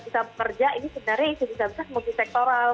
kalau mau bekerja ini sebenarnya isi disabilitas multisektoral